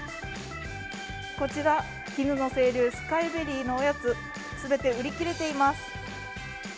こちら、きぬの清流スカイベリーのおやつ、全て売り切れています。